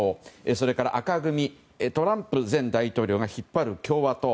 それから赤組トランプ前大統領が引っ張る共和党。